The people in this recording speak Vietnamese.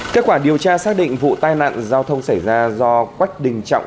kết quả điều tra xác định vụ tai nạn giao thông xảy ra do quách đình trọng